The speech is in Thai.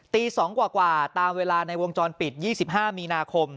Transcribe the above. ตี๒กว่าตามเวลาในวงจรปิด๒๕มีนาคม